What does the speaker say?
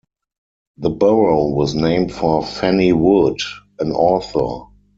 The borough was named for Fannie Wood, an author.